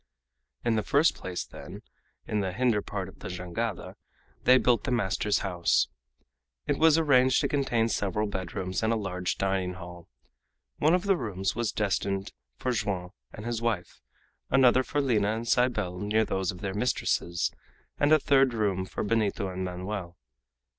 In the first place, then, in the hinder part of the jangada they built the master's house. It was arranged to contain several bedrooms and a large dining hall. One of the rooms was destined for Joam and his wife, another for Lina and Cybele near those of their mistresses, and a third room for Benito and Manoel.